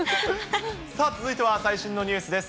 さあ、続いては最新のニュースです。